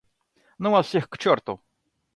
— Ну вас всех к черту!